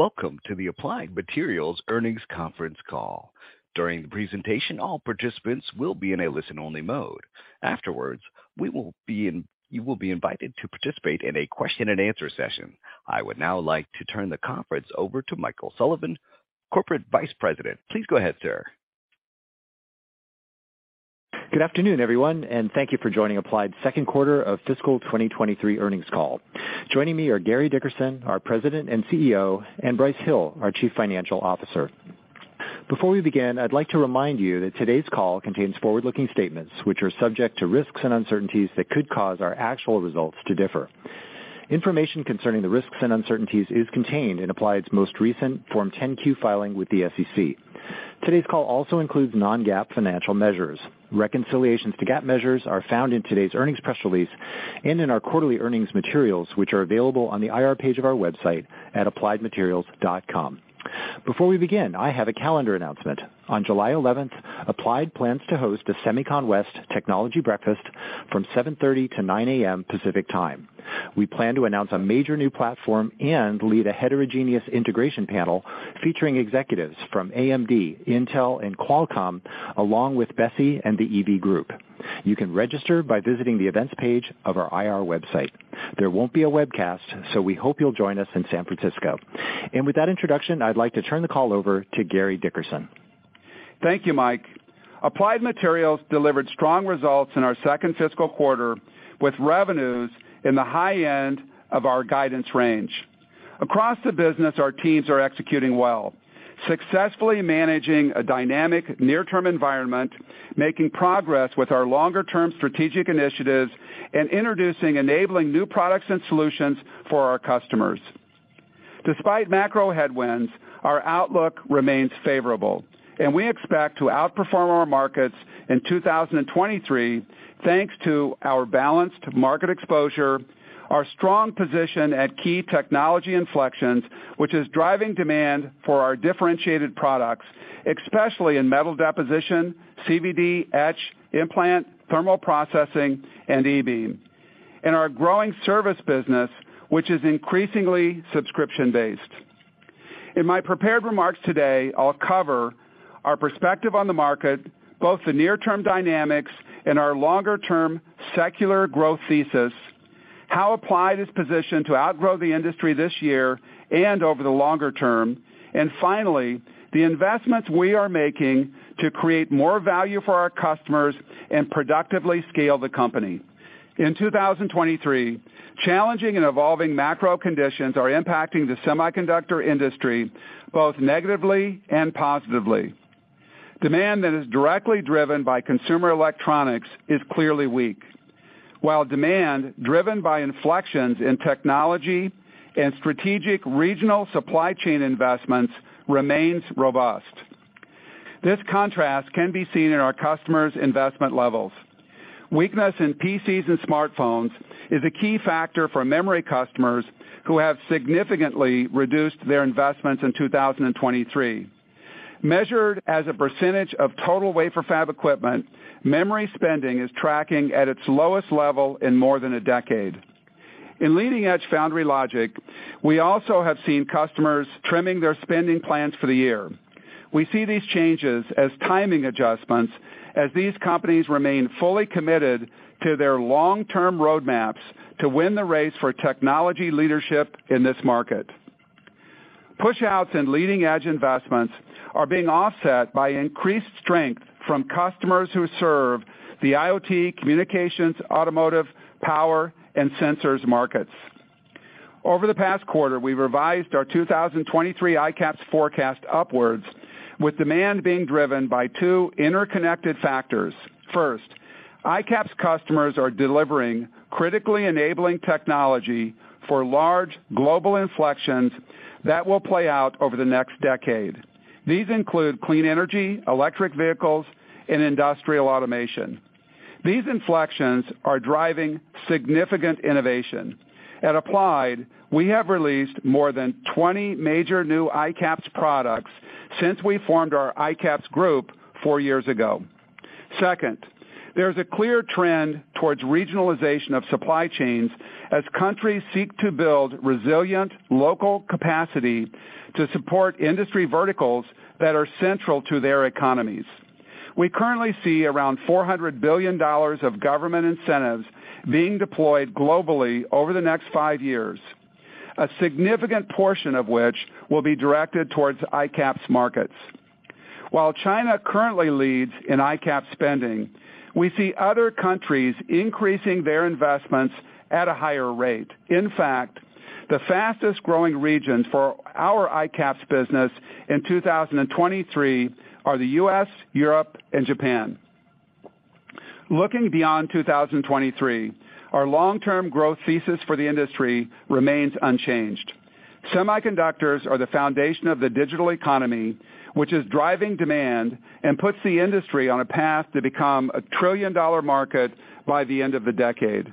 Welcome to the Applied Materials Earnings Conference Call. During the presentation, all participants will be in a listen-only mode. Afterwards, you will be invited to participate in a question-and-answer session. I would now like to turn the conference over to Michael Sullivan, Corporate Vice President. Please go ahead, sir. Good afternoon, everyone, thank you for joining Applied's second quarter of fiscal 2023 earnings call. Joining me are Gary Dickerson, our President and CEO, and Brice Hill, our Chief Financial Officer. Before we begin, I'd like to remind you that today's call contains forward-looking statements, which are subject to risks and uncertainties that could cause our actual results to differ. Information concerning the risks and uncertainties is contained in Applied's most recent Form 10-Q filing with the SEC. Today's call also includes non-GAAP financial measures. Reconciliations to GAAP measures are found in today's earnings press release and in our quarterly earnings materials, which are available on the IR page of our website at appliedmaterials.com. Before we begin, I have a calendar announcement. On July 11, Applied plans to host the SEMICON West Technology Breakfast from 7:30 A.M. to 9:00 A.M. Pacific Time. We plan to announce a major new platform and lead a heterogeneous integration panel featuring executives from AMD, Intel, and Qualcomm, along with Besi and the EV Group. You can register by visiting the Events page of our IR website. There won't be a webcast, so we hope you'll join us in San Francisco. With that introduction, I'd like to turn the call over to Gary Dickerson. Thank you, Mike. Applied Materials delivered strong results in our second fiscal quarter, with revenues in the high end of our guidance range. Across the business, our teams are executing well, successfully managing a dynamic near-term environment, making progress with our longer-term strategic initiatives, and introducing enabling new products and solutions for our customers. Despite macro headwinds, our outlook remains favorable, and we expect to outperform our markets in 2023, thanks to our balanced market exposure, our strong position at key technology inflections, which is driving demand for our differentiated products, especially in metal deposition, CVD, etch, implant, thermal processing, and eBeam, and our growing service business, which is increasingly subscription-based. In my prepared remarks today, I'll cover our perspective on the market, both the near-term dynamics and our longer-term secular growth thesis, how Applied is positioned to outgrow the industry this year and over the longer term, and finally, the investments we are making to create more value for our customers and productively scale the company. In 2023, challenging and evolving macro conditions are impacting the semiconductor industry both negatively and positively. Demand that is directly driven by consumer electronics is clearly weak, while demand driven by inflections in technology and strategic regional supply chain investments remains robust. This contrast can be seen in our customers' investment levels. Weakness in PCs and smartphones is a key factor for memory customers who have significantly reduced their investments in 2023. Measured as a percentage of total wafer fab equipment, memory spending is tracking at its lowest level in more than a decade. In leading-edge foundry logic, we also have seen customers trimming their spending plans for the year. We see these changes as timing adjustments as these companies remain fully committed to their long-term roadmaps to win the race for technology leadership in this market. Pushouts and leading-edge investments are being offset by increased strength from customers who serve the IoT, communications, automotive, power, and sensors markets. Over the past quarter, we revised our 2023 ICAPS forecast upwards, with demand being driven by two interconnected factors. First, ICAPS customers are delivering critically enabling technology for large global inflections that will play out over the next decade. These include clean energy, electric vehicles, and industrial automation. These inflections are driving significant innovation. At Applied, we have released more than 20 major new ICAPS products since we formed our ICAPS group four years ago. Second, there's a clear trend towards regionalization of supply chains as countries seek to build resilient local capacity to support industry verticals that are central to their economies. We currently see around $400 billion of government incentives being deployed globally over the next five years, a significant portion of which will be directed towards ICAPS markets. While China currently leads in ICAPS spending, we see other countries increasing their investments at a higher rate. In fact, the fastest-growing regions for our ICAPS business in 2023 are the U.S., Europe, and Japan. Looking beyond 2023, our long-term growth thesis for the industry remains unchanged. Semiconductors are the foundation of the digital economy, which is driving demand and puts the industry on a path to become a trillion-dollar market by the end of the decade.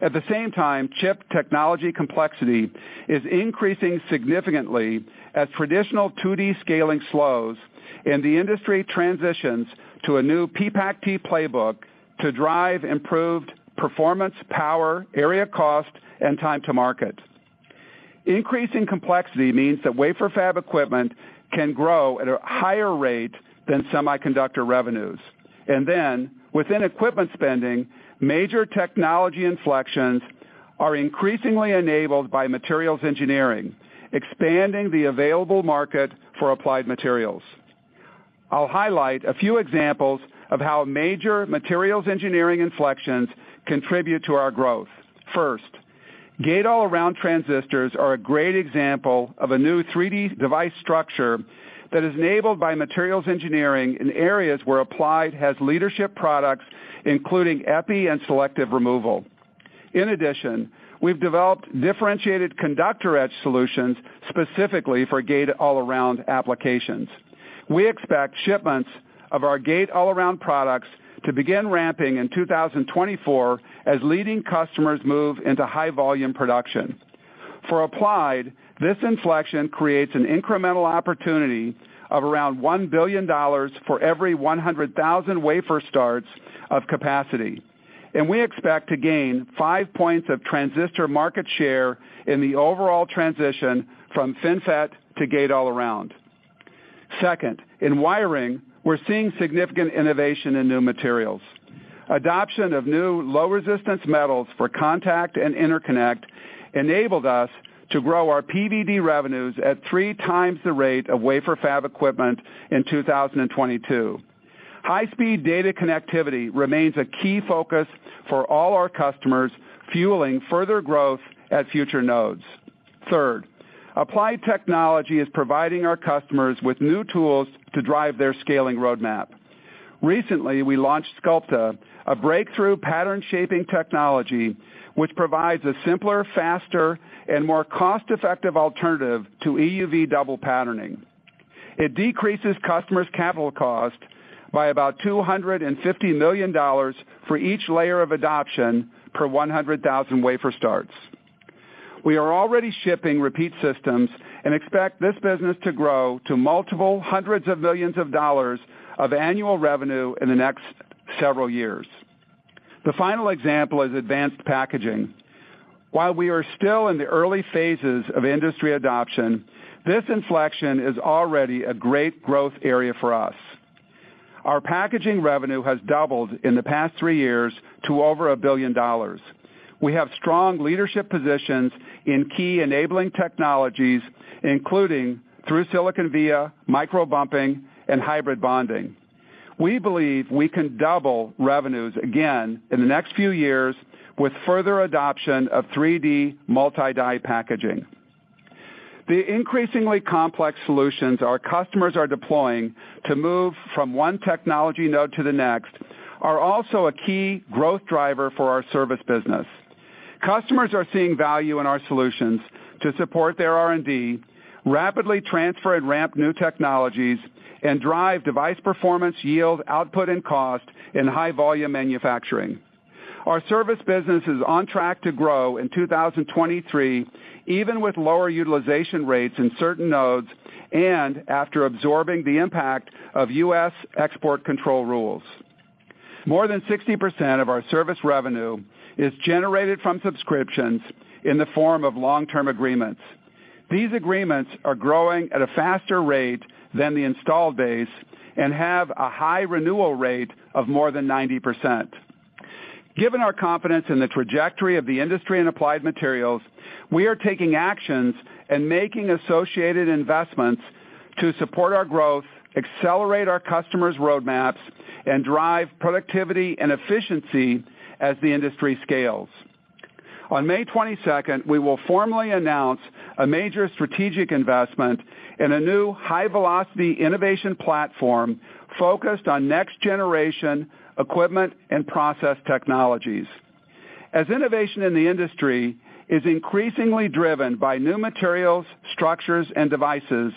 At the same time, chip technology complexity is increasing significantly as traditional 2D scaling slows. The industry transitions to a new PPACP playbook to drive improved performance, power, area cost, and time to market. Increasing complexity means that wafer fab equipment can grow at a higher rate than semiconductor revenues. Within equipment spending, major technology inflections are increasingly enabled by materials engineering, expanding the available market for Applied Materials. I'll highlight a few examples of how major materials engineering inflections contribute to our growth. First, Gate-All-Around transistors are a great example of a new 3D device structure that is enabled by materials engineering in areas where Applied has leadership products, including epi and selective removal. In addition, we've developed differentiated conductor etch solutions specifically for Gate-All-Around applications. We expect shipments of our Gate-All-Around products to begin ramping in 2024 as leading customers move into high volume production. For Applied, this inflection creates an incremental opportunity of around $1 billion for every 100,000 wafer starts of capacity, and we expect to gain five points of transistor market share in the overall transition from FinFET to Gate-All-Around. Second, in wiring, we're seeing significant innovation in new materials. Adoption of new low resistance metals for contact and interconnect enabled us to grow our PVD revenues at three times the rate of wafer fab equipment in 2022. High-speed data connectivity remains a key focus for all our customers, fueling further growth at future nodes. Third, Applied Materials is providing our customers with new tools to drive their scaling roadmap. Recently, we launched Sculpta, a breakthrough pattern shaping technology, which provides a simpler, faster, and more cost-effective alternative to EUV double patterning. It decreases customers' capital cost by about $250 million for each layer of adoption per 100,000 wafer starts. We are already shipping repeat systems and expect this business to grow to multiple hundreds of millions of dollars of annual revenue in the next several years. The final example is advanced packaging. While we are still in the early phases of industry adoption, this inflection is already a great growth area for us. Our packaging revenue has doubled in the past three years to over $1 billion. We have strong leadership positions in key enabling technologies, including through-silicon via, microbumping, and hybrid bonding. We believe we can double revenues again in the next few years with further adoption of 3D multi-die packaging. The increasingly complex solutions our customers are deploying to move from one technology node to the next are also a key growth driver for our service business. Customers are seeing value in our solutions to support their R&D, rapidly transfer and ramp new technologies, and drive device performance, yield, output, and cost in high volume manufacturing. Our service business is on track to grow in 2023, even with lower utilization rates in certain nodes and after absorbing the impact of U.S. export control rules. More than 60% of our service revenue is generated from subscriptions in the form of long-term agreements. These agreements are growing at a faster rate than the installed base and have a high renewal rate of more than 90%. Given our confidence in the trajectory of the industry and Applied Materials, we are taking actions and making associated investments to support our growth, accelerate our customers' roadmaps, and drive productivity and efficiency as the industry scales. On May twenty-second, we will formally announce a major strategic investment in a new high-velocity innovation platform focused on next-generation equipment and process technologies. As innovation in the industry is increasingly driven by new materials, structures, and devices,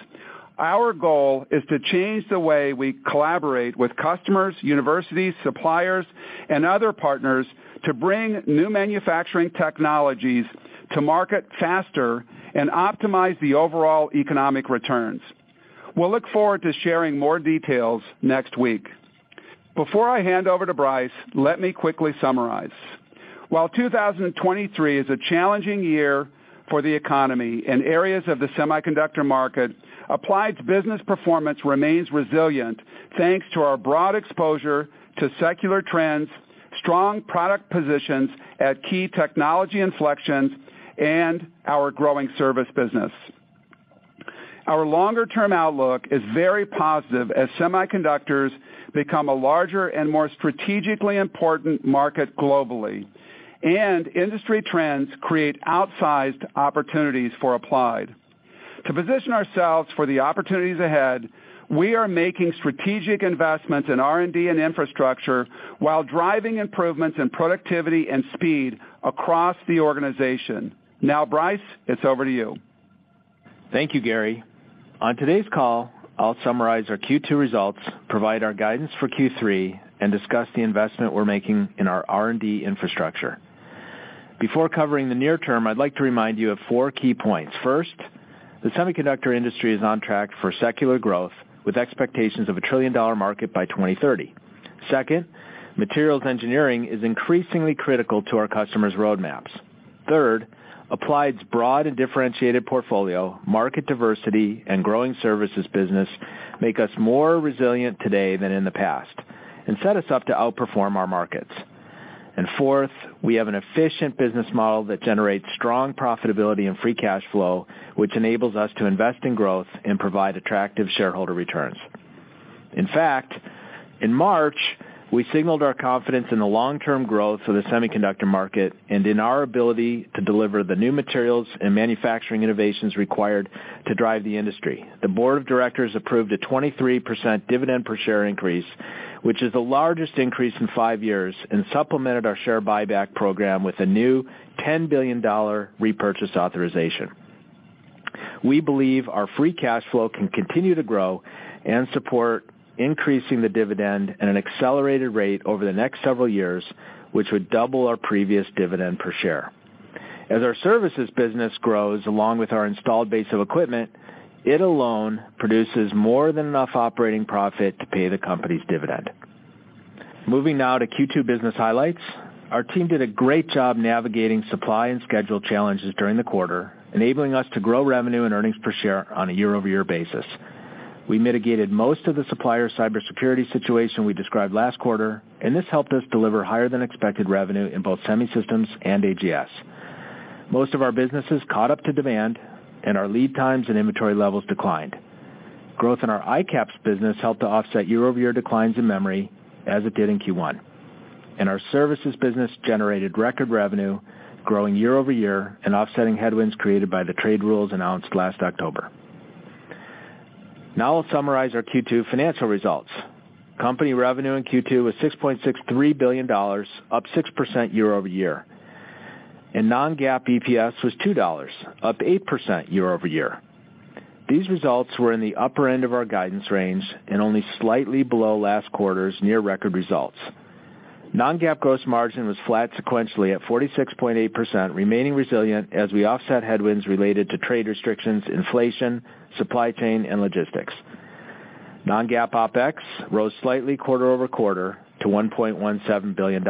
our goal is to change the way we collaborate with customers, universities, suppliers, and other partners to bring new manufacturing technologies to market faster and optimize the overall economic returns. We'll look forward to sharing more details next week. Before I hand over to Brice, let me quickly summarize. While 2023 is a challenging year for the economy in areas of the semiconductor market, Applied's business performance remains resilient, thanks to our broad exposure to secular trends, strong product positions at key technology inflections, and our growing service business. Our longer-term outlook is very positive as semiconductors become a larger and more strategically important market globally, and industry trends create outsized opportunities for Applied. To position ourselves for the opportunities ahead, we are making strategic investments in R&D and infrastructure while driving improvements in productivity and speed across the organization. Now, Brice, it's over to you. Thank you, Gary. On today's call, I'll summarize our Q2 results, provide our guidance for Q3, and discuss the investment we're making in our R&D infrastructure. Before covering the near term, I'd like to remind you of four key points. First, the semiconductor industry is on track for secular growth with expectations of a trillion-dollar market by 2030. Second, materials engineering is increasingly critical to our customers' roadmaps. Third, Applied's broad and differentiated portfolio, market diversity, and growing services business make us more resilient today than in the past and set us up to outperform our markets. Fourth, we have an efficient business model that generates strong profitability and free cash flow, which enables us to invest in growth and provide attractive shareholder returns. In fact, in March, we signaled our confidence in the long-term growth of the semiconductor market and in our ability to deliver the new materials and manufacturing innovations required to drive the industry. The board of directors approved a 23% dividend per share increase, which is the largest increase in 5 years, and supplemented our share buyback program with a new $10 billion repurchase authorization. We believe our free cash flow can continue to grow and support increasing the dividend at an accelerated rate over the next several years, which would double our previous dividend per share. As our services business grows along with our installed base of equipment, it alone produces more than enough operating profit to pay the company's dividend. Moving now to Q2 business highlights. Our team did a great job navigating supply and schedule challenges during the quarter, enabling us to grow revenue and earnings per share on a year-over-year basis. This helped us mitigate most of the supplier cybersecurity situation we described last quarter, and this helped us deliver higher than expected revenue in both Semi Systems and AGS. Our lead times and inventory levels declined. Growth in our ICAPS business helped to offset year-over-year declines in memory as it did in Q1. Our services business generated record revenue growing year-over-year and offsetting headwinds created by the trade rules announced last October. I'll summarize our Q2 financial results. Company revenue in Q2 was $6.63 billion, up 6% year-over-year, and non-GAAP EPS was $2, up 8% year-over-year. These results were in the upper end of our guidance range and only slightly below last quarter's near record results. Non-GAAP gross margin was flat sequentially at 46.8%, remaining resilient as we offset headwinds related to trade restrictions, inflation, supply chain, and logistics. Non-GAAP OpEx rose slightly quarter-over-quarter to $1.17 billion.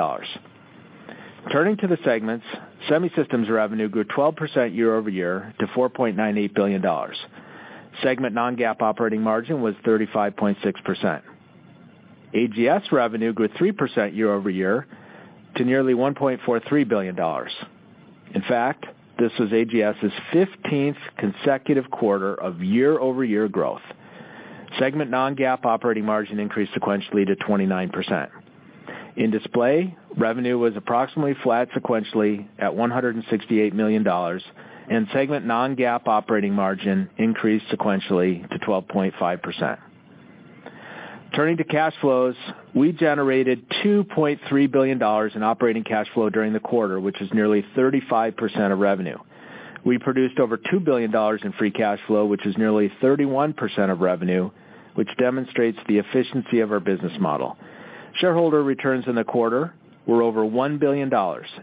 Turning to the segments, Semi Systems revenue grew 12% year-over-year to $4.98 billion. Segment non-GAAP operating margin was 35.6%. AGS revenue grew 3% year-over-year to nearly $1.43 billion. In fact, this was AGS's 15th consecutive quarter of year-over-year growth. Segment non-GAAP operating margin increased sequentially to 29%. In display, revenue was approximately flat sequentially at $168 million, and segment non-GAAP operating margin increased sequentially to 12.5%. Turning to cash flows, we generated $2.3 billion in operating cash flow during the quarter, which is nearly 35% of revenue. We produced over $2 billion in free cash flow, which is nearly 31% of revenue, which demonstrates the efficiency of our business model. Shareholder returns in the quarter were over $1 billion,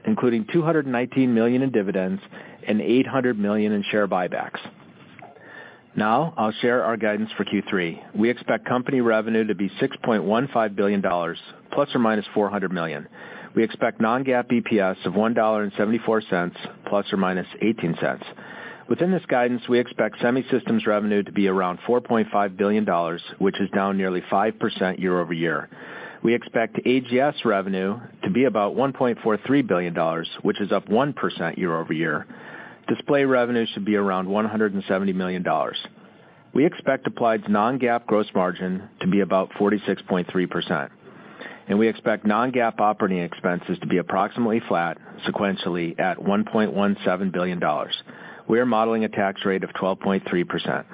including $219 million in dividends and $800 million in share buybacks. Now I'll share our guidance for Q3. We expect company revenue to be $6.15 billion ±$400 million. We expect non-GAAP EPS of $1.74 ±$0.18. Within this guidance, we expect Semi Systems revenue to be around $4.5 billion, which is down nearly 5% year-over-year. We expect AGS revenue to be about $1.43 billion, which is up 1% year-over-year. Display revenues should be around $170 million. We expect Applied's non-GAAP gross margin to be about 46.3%, and we expect non-GAAP operating expenses to be approximately flat sequentially at $1.17 billion. We are modeling a tax rate of 12.3%.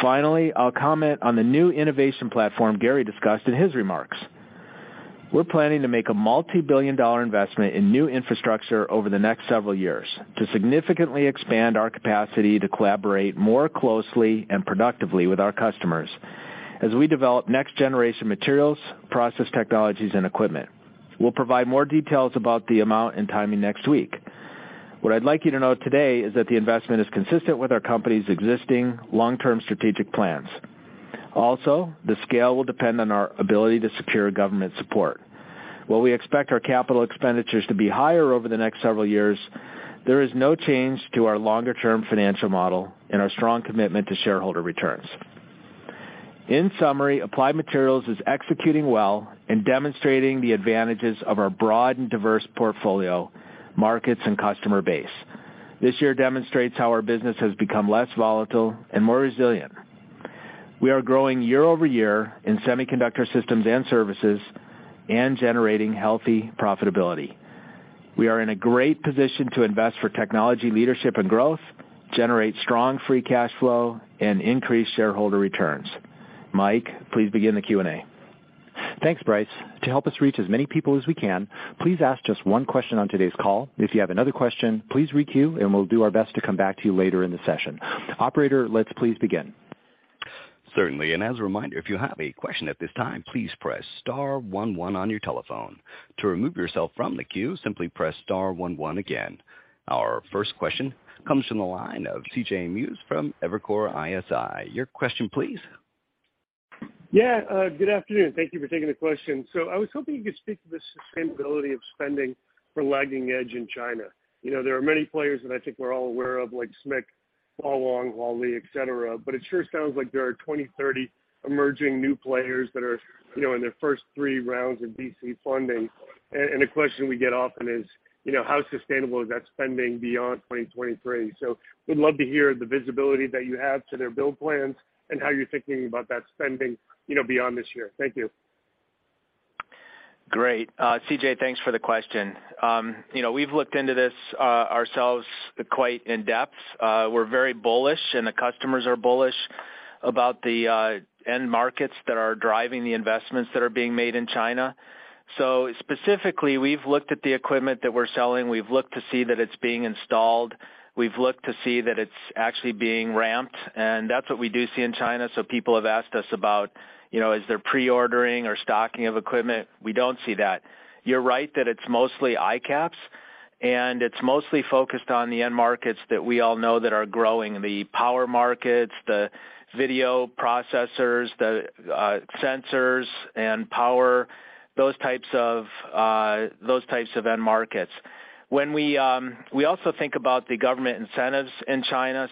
Finally, I'll comment on the new innovation platform Gary discussed in his remarks. We're planning to make a multi-billion dollar investment in new infrastructure over the next several years to significantly expand our capacity to collaborate more closely and productively with our customers as we develop next-generation materials, process technologies, and equipment. We'll provide more details about the amount and timing next week. What I'd like you to know today is that the investment is consistent with our company's existing long-term strategic plans. Also, the scale will depend on our ability to secure government support. While we expect our capital expenditures to be higher over the next several years, there is no change to our longer-term financial model and our strong commitment to shareholder returns. In summary, Applied Materials is executing well and demonstrating the advantages of our broad and diverse portfolio, markets, and customer base. This year demonstrates how our business has become less volatile and more resilient. We are growing year-over-year in semiconductor systems and services and generating healthy profitability. We are in a great position to invest for technology leadership and growth, generate strong free cash flow, and increase shareholder returns. Mike, please begin the Q&A. Thanks, Brice. To help us reach as many people as we can, please ask just one question on today's call. If you have another question, please re-queue, and we'll do our best to come back to you later in the session. Operator, let's please begin. Certainly. As a reminder, if you have a question at this time, please press star one one on your telephone. To remove yourself from the queue, simply press star one one again. Our first question comes from the line of C.J. Muse from Evercore ISI. Your question, please. Yeah, good afternoon. Thank you for taking the question. I was hoping you could speak to the sustainability of spending for lagging edge in China. You know, there are many players that I think we're all aware of, like SMIC, [Falong], Huali, et cetera, but it sure sounds like there are 20, 30 emerging new players that are, you know, in their first three rounds of VC funding. The question we get often is, you know, how sustainable is that spending beyond 2023? We'd love to hear the visibility that you have to their build plans and how you're thinking about that spending, you know, beyond this year. Thank you. Great. CJ, thanks for the question. You know, we've looked into this ourselves quite in depth. We're very bullish, and the customers are bullish about the end markets that are driving the investments that are being made in China. Specifically, we've looked at the equipment that we're selling. We've looked to see that it's being installed. We've looked to see that it's actually being ramped, and that's what we do see in China. People have asked us about, you know, is there pre-ordering or stocking of equipment. We don't see that. You're right that it's mostly ICAPS, and it's mostly focused on the end markets that we all know that are growing, the power markets, the video processors, the sensors and power, those types of those types of end markets. We also think about the government incentives in China.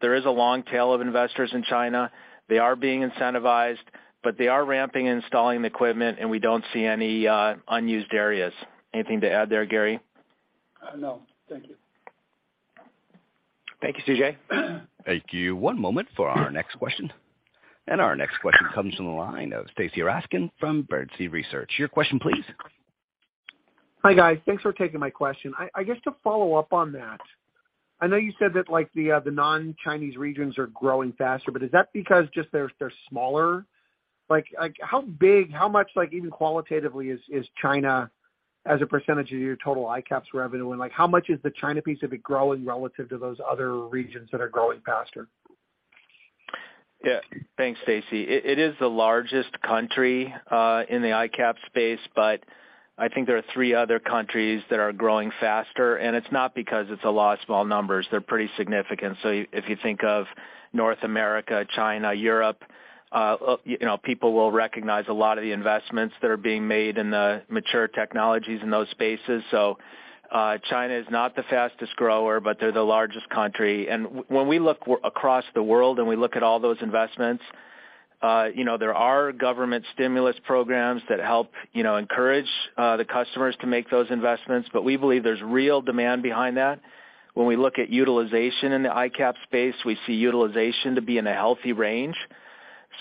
There is a long tail of investors in China. They are being incentivized, but they are ramping and installing the equipment, We don't see any unused areas. Anything to add there, Gary? No. Thank you. Thank you, C.J. Thank you. One moment for our next question. Our next question comes from the line of Stacy Rasgon from Bernstein Research. Your question, please. Hi, guys. Thanks for taking my question. I guess to follow up on that, I know you said that, like, the non-Chinese regions are growing faster, but is that because just they're smaller? Like, how big, how much, like, even qualitatively is China as a percentage of your total ICAPS revenue? Like, how much is the China piece of it growing relative to those other regions that are growing faster? Yeah. Thanks, Stacy. It is the largest country in the ICAPS space, but I think there are three other countries that are growing faster, and it's not because it's a lot of small numbers. They're pretty significant. if you think of North America, China, Europe, you know, people will recognize a lot of the investments that are being made in the mature technologies in those spaces. China is not the fastest grower, but they're the largest country. when we look across the world and we look at all those investments, you know, there are government stimulus programs that help, you know, encourage the customers to make those investments, but we believe there's real demand behind that. When we look at utilization in the ICAPS space, we see utilization to be in a healthy range.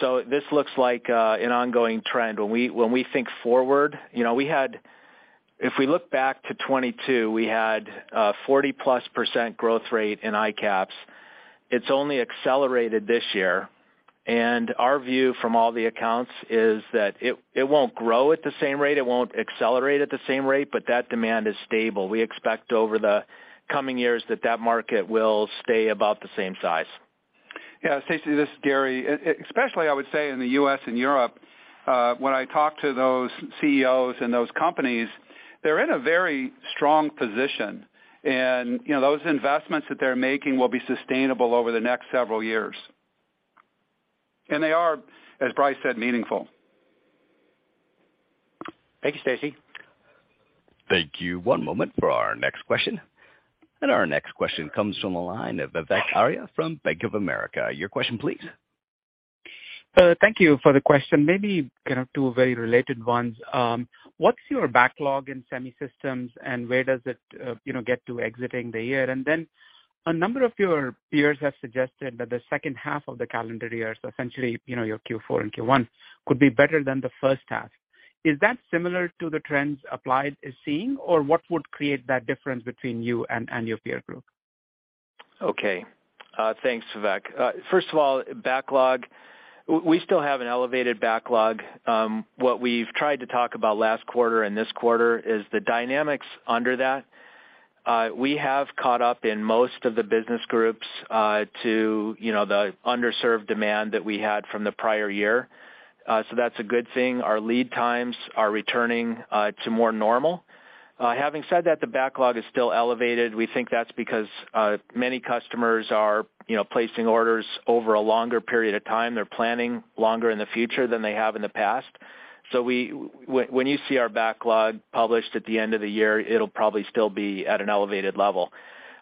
This looks like an ongoing trend. When we think forward, you know, if we look back to 2022, we had a 40%+ growth rate in ICAPS. It's only accelerated this year. Our view from all the accounts is that it won't grow at the same rate, it won't accelerate at the same rate, but that demand is stable. We expect over the coming years that that market will stay about the same size. Yeah, Stacy, this is Gary. especially, I would say in the U.S. and Europe, when I talk to those CEOs and those companies, they're in a very strong position. you know, those investments that they're making will be sustainable over the next several years. They are, as Brice said, meaningful. Thank you, Stacy. Thank you. One moment for our next question. Our next question comes from the line of Vivek Arya from Bank of America. Your question, please. Thank you for the question. Maybe kind of two very related ones. What's your backlog in semi systems, and where does it, you know, get to exiting the year? A number of your peers have suggested that the second half of the calendar year, so essentially, you know, your Q4 and Q1, could be better than the first half. Is that similar to the trends Applied is seeing, or what would create that difference between you and your peer group? Okay. Thanks, Vivek. First of all, backlog. We still have an elevated backlog. What we've tried to talk about last quarter and this quarter is the dynamics under that. We have caught up in most of the business groups to, you know, the underserved demand that we had from the prior year. That's a good thing. Our lead times are returning to more normal. Having said that, the backlog is still elevated. We think that's because many customers are, you know, placing orders over a longer period of time. They're planning longer in the future than they have in the past. When you see our backlog published at the end of the year, it'll probably still be at an elevated level.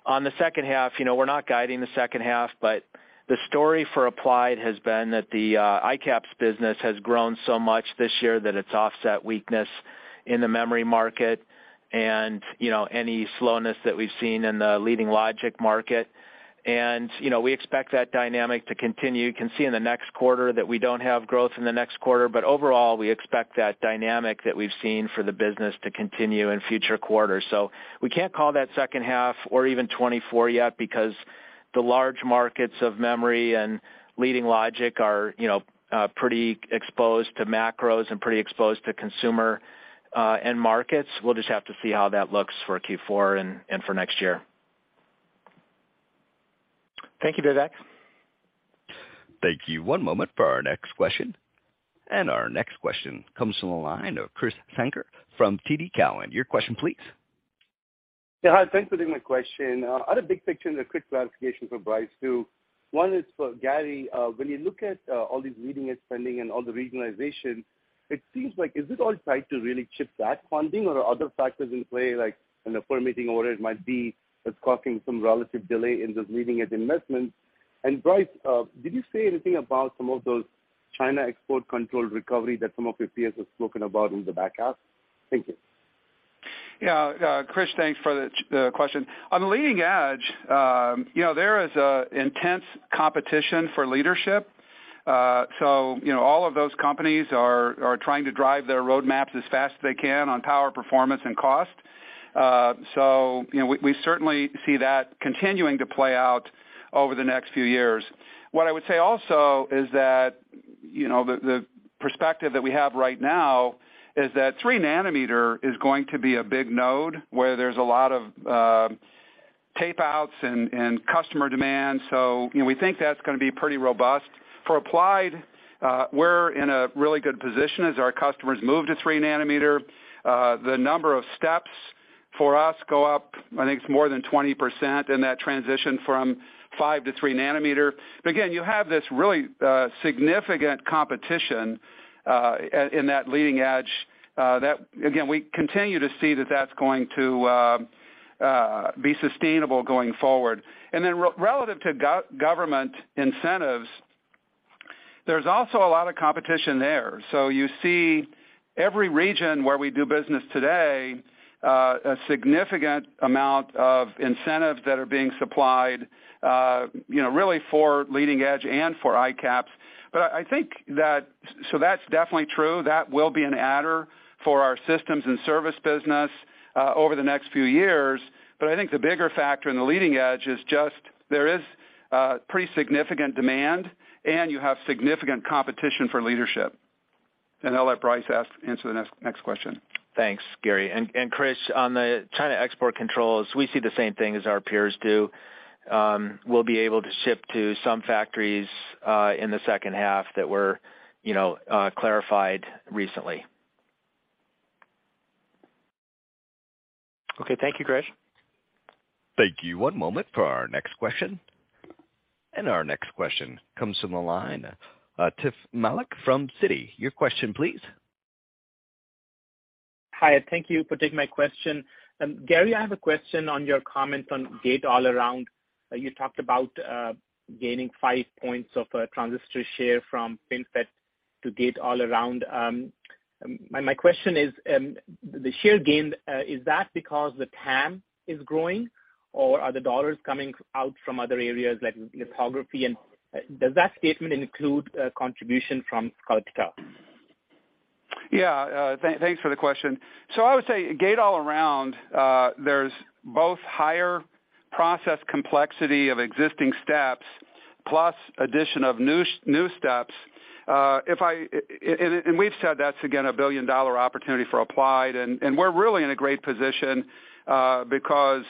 On the second half, you know, we're not guiding the second half, but the story for Applied has been that the ICAPS business has grown so much this year that it's offset weakness in the memory market and, you know, any slowness that we've seen in the leading logic market. You know, we expect that dynamic to continue. You can see in the next quarter that we don't have growth in the next quarter, but overall, we expect that dynamic that we've seen for the business to continue in future quarters. We can't call that second half or even 2024 yet because the large markets of memory and leading logic are, you know, pretty exposed to macros and pretty exposed to consumer end markets. We'll just have to see how that looks for Q4 and for next year. Thank you, Vivek. Thank you. One moment for our next question. Our next question comes from the line of Krish Sankar from TD Cowen. Your question please. Yeah. Hi. Thanks for taking my question. I had a big picture and a quick clarification for Bryce, too. One is for Gary. When you look at, all these leading-edge spending and all the regionalization, it seems like is this all tied to really CHIPS Act funding, or are other factors in play, like in the permitting orders might be that's causing some relative delay in those leading-edge investments? Bryce, did you say anything about some of those China export control recovery that some of your peers have spoken about in the back half? Thank you. Yeah, Krish, thanks for the question. On the leading edge, you know, there is a intense competition for leadership. You know, all of those companies are trying to drive their roadmaps as fast as they can on power, performance, and cost. You know, we certainly see that continuing to play out over the next few years. What I would say also is that, you know, the perspective that we have right now is that three nanometer is going to be a big node, where there's a lot of tape outs and customer demand. You know, we think that's gonna be pretty robust. For Applied, we're in a really good position as our customers move to 3 nanometer. The number of steps for us go up, I think it's more than 20% in that transition from five to three nanometer. Again, you have this really significant competition in that leading edge, that again, we continue to see that that's going to be sustainable going forward. Relative to government incentives, there's also a lot of competition there. You see every region where we do business today, a significant amount of incentives that are being supplied, you know, really for leading edge and for ICAPS. I think that's definitely true. That will be an adder for our systems and service business over the next few years. I think the bigger factor in the leading edge is just there is pretty significant demand, and you have significant competition for leadership. I'll let Brice answer the next question. Thanks, Gary. Krish, on the China export controls, we see the same thing as our peers do. We'll be able to ship to some factories, in the second half that were, you know, clarified recently. Okay. Thank you, Krish. Thank you. One moment for our next question. Our next question comes from the line, Atif Malik from Citi. Your question please. Hi, thank you for taking my question. Gary, I have a question on your comment on Gate-All-Around. You talked about gaining five points of transistor share from FinFET to Gate-All-Around. My question is, the share gained, is that because the TAM is growing, or are the dollars coming out from other areas like lithography? Does that statement include a contribution from [Calyxo]? Yeah. Thanks for the question. I would say Gate-All-Around, there's both higher process complexity of existing steps, plus addition of new steps. We've said that's again, a billion-dollar opportunity for Applied, and we're really in a great position because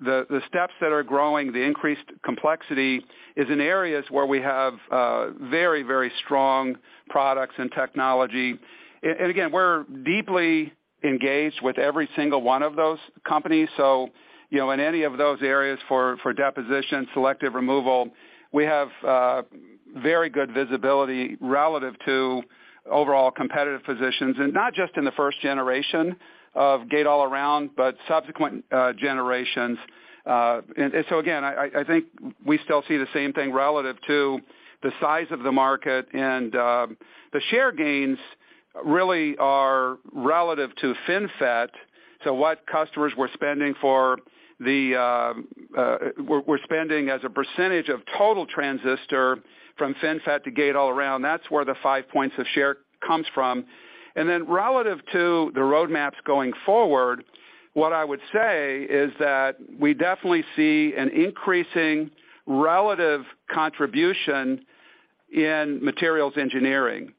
the steps that are growing, the increased complexity is in areas where we have very strong products and technology. Again, we're deeply engaged with every single one of those companies. You know, in any of those areas for deposition, selective removal, we have very good visibility relative to overall competitive positions. Not just in the first generation of Gate-All-Around, but subsequent generations. Again, I think we still see the same thing relative to the size of the market. The share gains really are relative to FinFET. What customers were spending for the were spending as a percentage of total transistor from FinFET to Gate-All-Around, that's where the 5 points of share comes from. Relative to the roadmaps going forward, what I would say is that we definitely see an increasing relative contribution in materials engineering.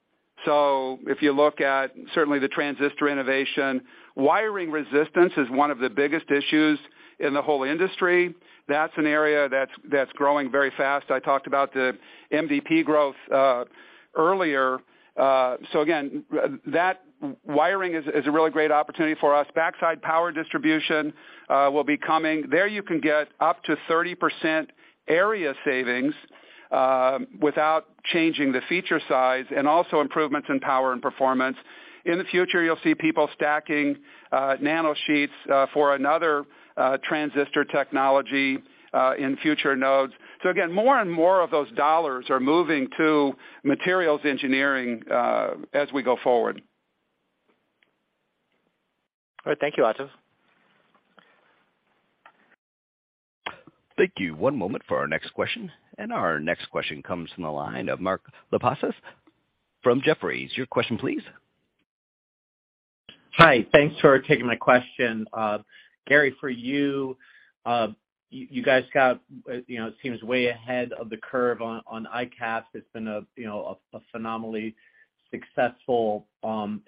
If you look at certainly the transistor innovation, wiring resistance is one of the biggest issues in the whole industry. That's an area that's growing very fast. I talked about the MDP growth earlier. That wiring is a really great opportunity for us. backside power distribution will be coming. There you can get up to 30% area savings without changing the feature size, and also improvements in power and performance. In the future, you'll see people stacking, nanosheets, for another, transistor technology, in future nodes. Again, more and more of those dollars are moving to materials engineering, as we go forward. All right. Thank you, Attif. Thank you. 1 moment for our next question. Our next question comes from the line of Mark Lipacis from Jefferies. Your question please. Hi, thanks for taking my question. Gary, for you guys got, you know, it seems way ahead of the curve on ICAPS. It's been a, you know, phenomenally successful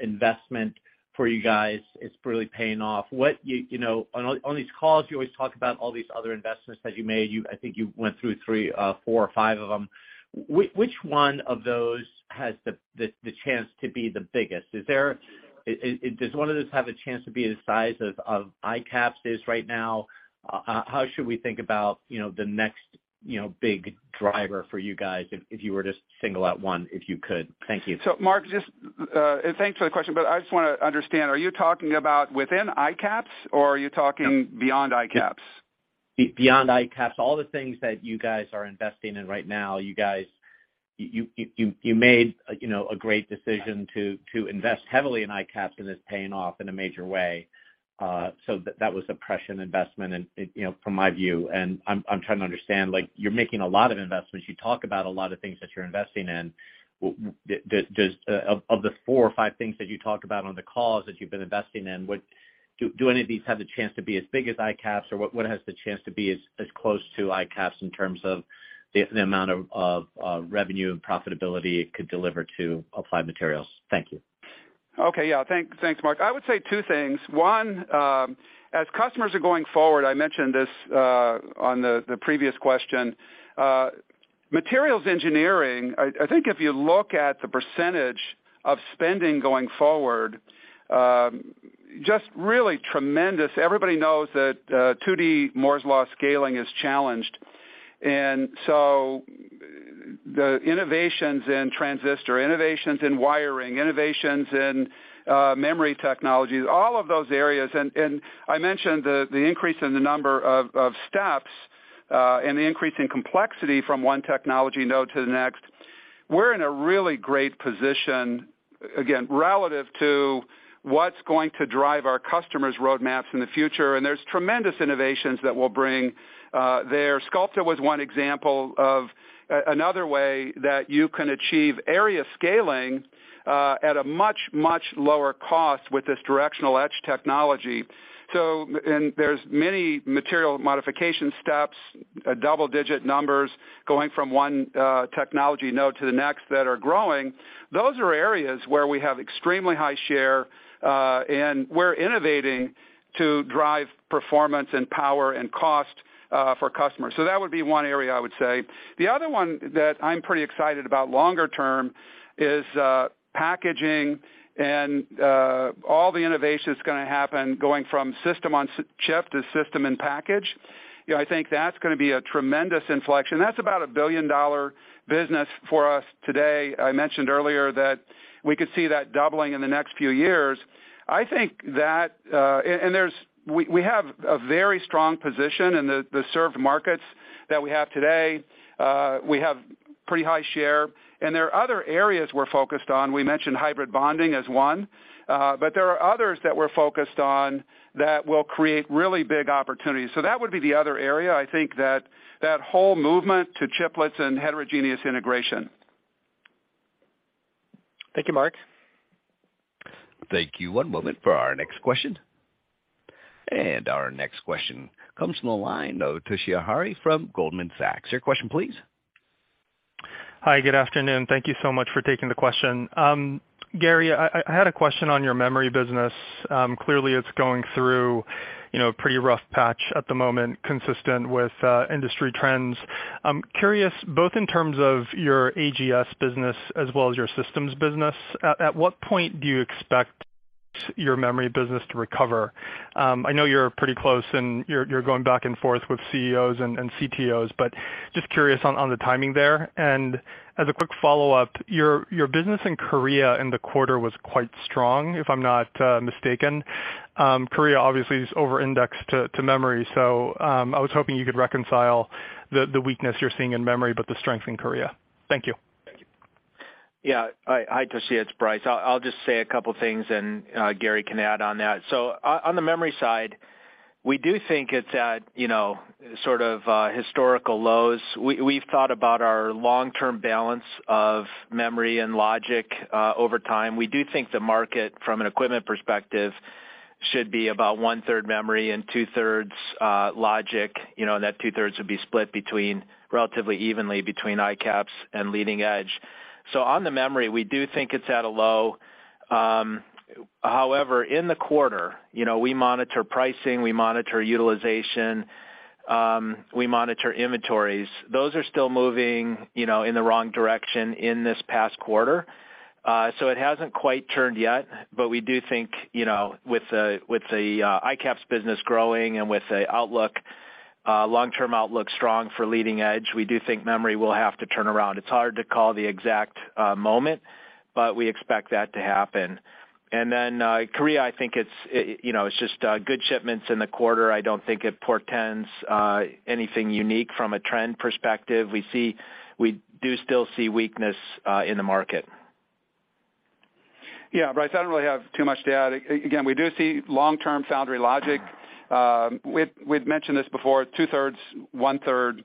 investment for you guys. It's really paying off. What you know, on these calls, you always talk about all these other investments that you made. I think you went through 3, 4 or 5 of them. Which one of those has the chance to be the biggest? Does one of those have a chance to be the size of ICAPS is right now? How should we think about, you know, the next, you know, big driver for you guys if you were to single out one, if you could? Thank you. Mark, just, thanks for the question, but I just wanna understand, are you talking about within ICAPS or? No beyond ICAPS? Beyond ICAPS, all the things that you guys are investing in right now, you guys, you made, you know, a great decision to invest heavily in ICAPS. It's paying off in a major way. That was a prescient investment and, you know, from my view, and I'm trying to understand, like you're making a lot of investments. You talk about a lot of things that you're investing in. Just of the four or five things that you talked about on the calls that you've been investing in, do any of these have the chance to be as big as ICAPS, or what has the chance to be as close to ICAPS in terms of the amount of revenue and profitability it could deliver to Applied Materials? Thank you. Okay. Yeah. Thanks, Mark. I would say two things. One, as customers are going forward, I mentioned this on the previous question, materials engineering, I think if you look at the % of spending going forward, just really tremendous. Everybody knows that 2D Moore's law scaling is challenged. The innovations in transistor, innovations in wiring, innovations in memory technologies, all of those areas, and I mentioned the increase in the number of steps, and the increase in complexity from one technology node to the next. We're in a really great position, again, relative to what's going to drive our customers' roadmaps in the future. There's tremendous innovations that we'll bring there. Sculpta was one example of another way that you can achieve area scaling at a much, much lower cost with this directional etch technology. There's many material modification steps, double-digit numbers going from one technology node to the next that are growing. Those are areas where we have extremely high share, and we're innovating to drive performance and power and cost for customers. That would be one area I would say. The other one that I'm pretty excited about longer term is packaging and all the innovation that's gonna happen going from system on chip to system and package. You know, I think that's gonna be a tremendous inflection. That's about a billion-dollar business for us today. I mentioned earlier that we could see that doubling in the next few years. I think that we have a very strong position in the served markets that we have today. We have pretty high share, and there are other areas we're focused on. We mentioned hybrid bonding as one, but there are others that we're focused on that will create really big opportunities. That would be the other area. I think that that whole movement to chiplets and heterogeneous integration. Thank you, Mark. Thank you. One moment for our next question. Our next question comes from the line of Toshiya Hari from Goldman Sachs. Your question please. Hi, good afternoon. Thank you so much for taking the question. Gary, I had a question on your memory business. Clearly it's going through, you know, a pretty rough patch at the moment, consistent with industry trends. I'm curious both in terms of your AGS business as well as your systems business, at what point do you expect your memory business to recover? I know you're pretty close and you're going back and forth with CEOs and CTOs, but just curious on the timing there. As a quick follow-up, your business in Korea in the quarter was quite strong, if I'm not mistaken. Korea obviously is over-indexed to memory. I was hoping you could reconcile the weakness you're seeing in memory, but the strength in Korea. Thank you. Thank you. Hi, Toshiya Hari, it's Brice. I'll just say a couple things and Gary can add on that. On the memory side, we do think it's at, you know, sort of historical lows. We've thought about our long-term balance of memory and logic over time. We do think the market from an equipment perspective should be about 1/3 memory and 2/3 logic, you know, and that 2/3 would be split between relatively evenly between ICAPS and leading edge. On the memory, we do think it's at a low. However, in the quarter, you know, we monitor pricing, we monitor utilization, we monitor inventories. Those are still moving, you know, in the wrong direction in this past quarter. It hasn't quite turned yet, but we do think, you know, with the, with the ICAPS business growing and with the outlook, long-term outlook strong for leading edge, we do think memory will have to turn around. It's hard to call the exact moment, but we expect that to happen. Then, Korea, I think it's, you know, it's just good shipments in the quarter. I don't think it portends anything unique from a trend perspective. We do still see weakness in the market. Yeah, Brice, I don't really have too much to add. Again, we do see long-term foundry logic. We've mentioned this before, 2/3, 1/3,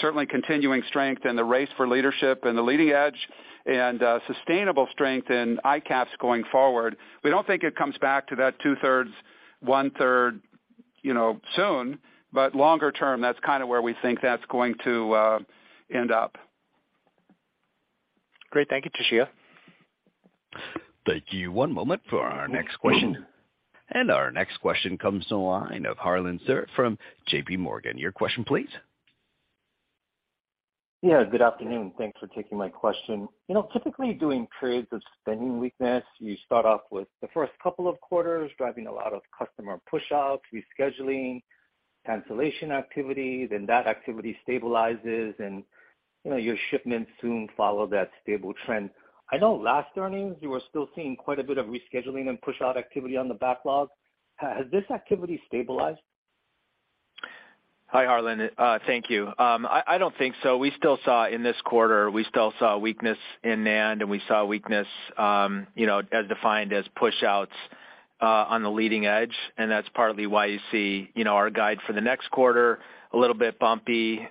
certainly continuing strength in the race for leadership and the leading edge, and sustainable strength in ICAPS going forward. We don't think it comes back to that 2/3, 1/3, you know, soon, but longer term, that's kind of where we think that's going to end up. Great. Thank you, Toshiya. Thank you. One moment for our next question. Our next question comes to the line of Harlan Sur from J.P. Morgan. Your question, please. Yeah, good afternoon. Thanks for taking my question. You know, typically, during periods of spending weakness, you start off with the first couple of quarters driving a lot of customer pushouts, rescheduling, cancellation activity, then that activity stabilizes and, you know, your shipments soon follow that stable trend. I know last earnings, you were still seeing quite a bit of rescheduling and pushout activity on the backlog. Has this activity stabilized? Hi, Harlan. Thank you. I don't think so. We still saw, in this quarter, we still saw weakness in NAND, and we saw weakness, you know, as defined as pushouts, on the leading edge, and that's partly why you see, you know, our guide for the next quarter a little bit bumpy,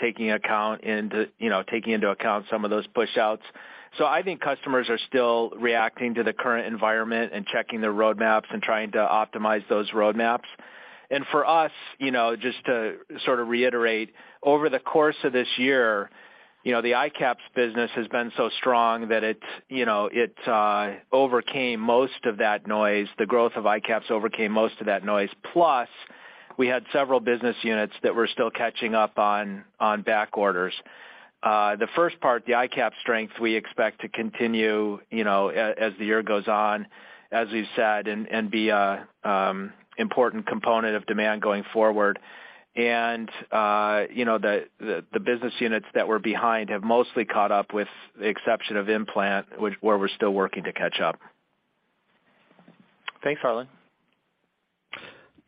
taking account into, you know, taking into account some of those pushouts. I think customers are still reacting to the current environment and checking their roadmaps and trying to optimize those roadmaps. For us, you know, just to sort of reiterate, over the course of this year, you know, the ICAPS business has been so strong that it's, you know, it overcame most of that noise. The growth of ICAPS overcame most of that noise. Plus we had several business units that were still catching up on back orders. The first part, the ICAPS strength, we expect to continue, you know, as the year goes on, as we've said, and be a important component of demand going forward. You know, the business units that we're behind have mostly caught up, with the exception of implant, which, where we're still working to catch up. Thanks, Harlan.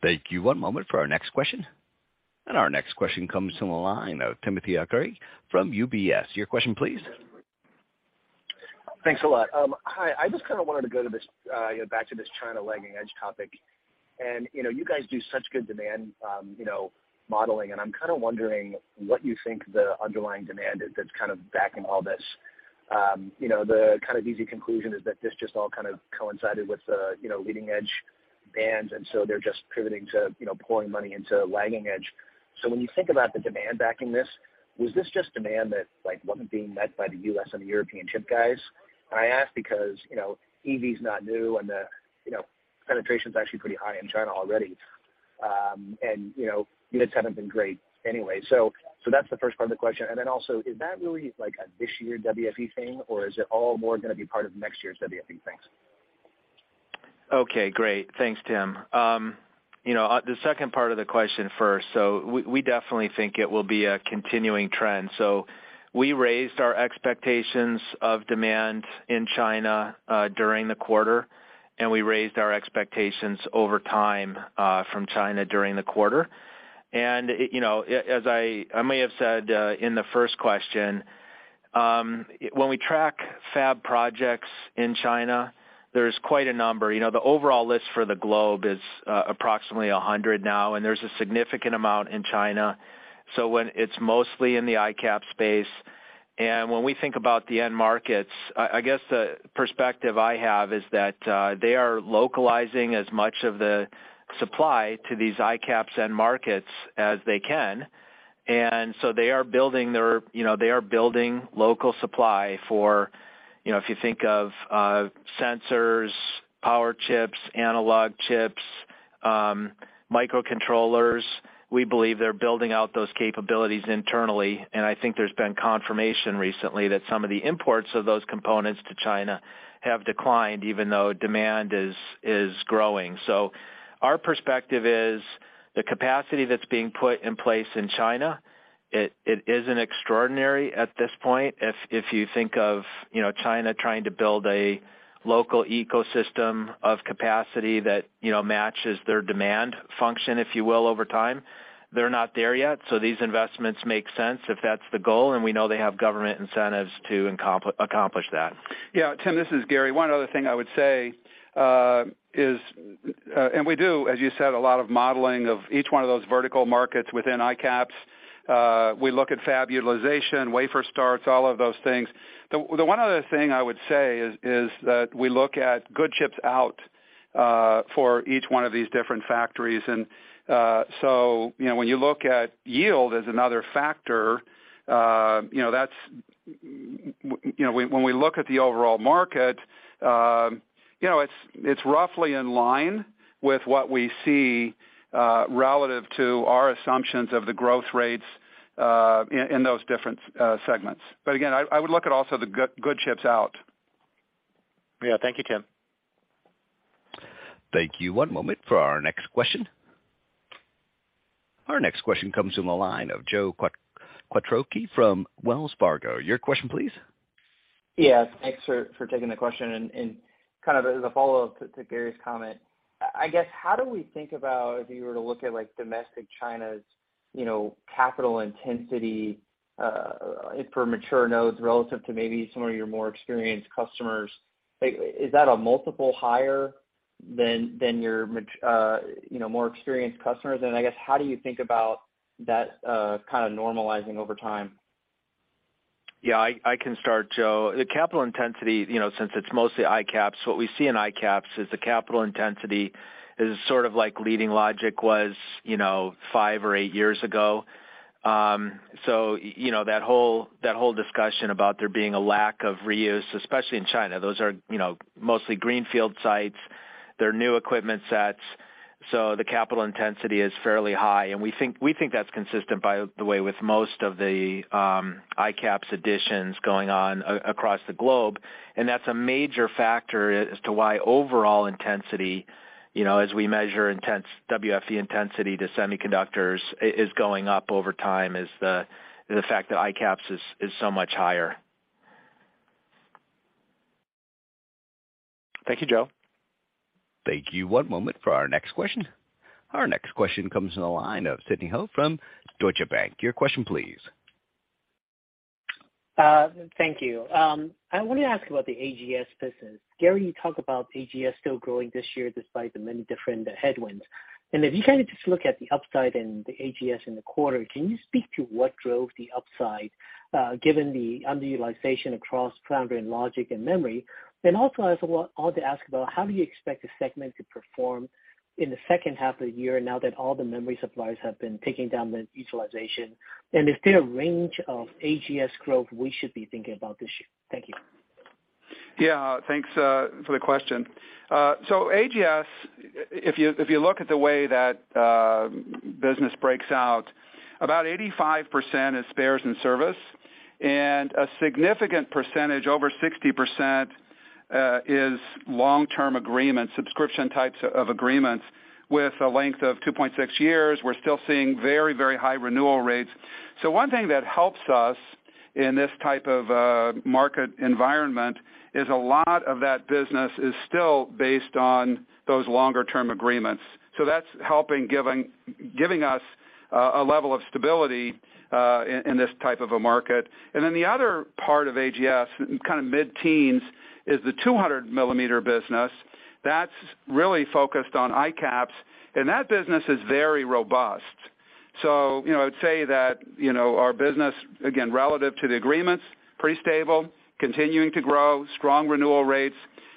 Thank you. One moment for our next question. Our next question comes from the line of Timothy Arcuri from UBS. Your question, please. Thanks a lot. Hi. I just kind of wanted to go to this, you know, back to this China lagging edge topic. You know, you guys do such good demand, you know, modeling, and I'm kind of wondering what you think the underlying demand is that's kind of backing all this. You know, the kind of easy conclusion is that this just all kind of coincided with the, you know, leading edge bans, and so they're just pivoting to, you know, pouring money into lagging edge. So when you think about the demand backing this, was this just demand that, like, wasn't being met by the U.S. and the European chip guys? I ask because, you know, EV's not new, and the, you know, penetration's actually pretty high in China already. You know, units haven't been great anyway. That's the first part of the question. Then also, is that really, like, a this year WFE thing, or is it all more gonna be part of next year's WFE things? Okay. Great. Thanks, Tim. You know, the second part of the question first, we definitely think it will be a continuing trend. We raised our expectations of demand in China during the quarter, and we raised our expectations over time from China during the quarter. You know, as I may have said in the first question, when we track fab projects in China, there's quite a number. You know, the overall list for the globe is approximately 100 now, there's a significant amount in China when it's mostly in the ICAP space. When we think about the end markets, I guess the perspective I have is that they are localizing as much of the supply to these ICAPS end markets as they can. They are building their, you know, they are building local supply for, you know, if you think of, sensors, power chips, analog chips, microcontrollers, we believe they're building out those capabilities internally. I think there's been confirmation recently that some of the imports of those components to China have declined, even though demand is growing. Our perspective is the capacity that's being put in place in China, it isn't extraordinary at this point. If, if you think of, you know, China trying to build a local ecosystem of capacity that, you know, matches their demand function, if you will, over time, they're not there yet, these investments make sense if that's the goal, and we know they have government incentives to accomplish that. Yeah. Tim, this is Gary. One other thing I would say is, as you said, a lot of modeling of each one of those vertical markets within ICAPS. We look at fab utilization, wafer starts, all of those things. The one other thing I would say is that we look at good chips out for each one of these different factories. You know, when you look at yield as another factor, you know, when we look at the overall market, you know, it's roughly in line with what we see relative to our assumptions of the growth rates in those different segments. Again, I would look at also the good chips out. Yeah. Thank you, Tim. Thank you. One moment for our next question. Our next question comes from the line of Joe Quatrochi from Wells Fargo. Your question, please. Yeah. Thanks for taking the question. Kind of as a follow-up to Gary's comment, I guess, how do we think about if you were to look at, like, domestic China's, you know, capital intensity for mature nodes relative to maybe some of your more experienced customers. Like, is that a multiple higher than your, you know, more experienced customers? I guess, how do you think about that, kind of normalizing over time? Yeah, I can start, Joe. The capital intensity, you know, since it's mostly ICAPS, what we see in ICAPS is the capital intensity is sort of like Leading Logic was, you know, five or eight years ago. You know, that whole discussion about there being a lack of reuse, especially in China, those are, you know, mostly greenfield sites. They're new equipment sets, so the capital intensity is fairly high. We think that's consistent by the way, with most of the ICAPS additions going on across the globe. That's a major factor as to why overall intensity, you know, as we measure WFE intensity to semiconductors is going up over time, is the fact that ICAPS is so much higher. Thank you, Joe. Thank you. One moment for our next question. Our next question comes from the line of Sidney Ho from Deutsche Bank. Your question please. Thank you. I want to ask about the AGS business. Gary, you talk about AGS still growing this year despite the many different headwinds. If you kind of just look at the upside in the AGS in the quarter, can you speak to what drove the upside, given the underutilization across foundry and logic and memory? Also I ought to ask about how do you expect the segment to perform in the second half of the year now that all the memory suppliers have been taking down the utilization? Is there a range of AGS growth we should be thinking about this year? Thank you. Yeah. Thanks for the question. AGS, if you look at the way that business breaks out, about 85% is spares and service, and a significant percentage, over 60%, is long-term agreements, subscription types of agreements with a length of 2.6 years. We're still seeing very high renewal rates. One thing that helps us in this type of market environment is a lot of that business is still based on those longer term agreements. That's helping giving us a level of stability in this type of a market. The other part of AGS, kind of mid-teens, is the 200 millimeter business that's really focused on ICAPS, and that business is very robust. You know, I'd say that, you know, our business, again, relative to the agreements, pretty stable, continuing to grow, strong renewal rates,